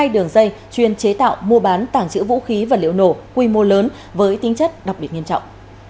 hai đường dây chuyên chế tạo mua bán tảng trữ vũ khí vật liệu nổ quy mô lớn với tính chất đặc biệt nghiêm trọng